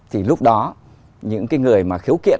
thì lúc đó những cái người mà khíu kiện